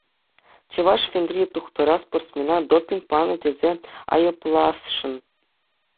Чӑваш фенри тухтӑра спортсмена допинг панӑ тесе айӑпласшӑн.